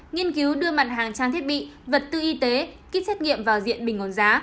nghiên cứu đưa mặt hàng trang thiết bị vật tư y tế kít xét nghiệm vào diện bình ổn giá